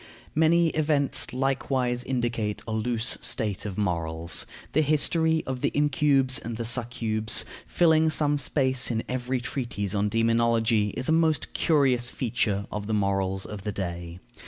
Many events likewise indicate a loose state of morals. The history of the incubes and succubes, filling some space in every treatise on demonology, is a most curious feature of the morals of the day.